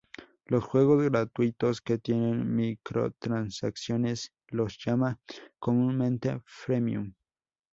Los juegos gratuitos que tienen microtransacciones los llama comúnmente "freemium".